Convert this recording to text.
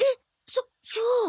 そそう？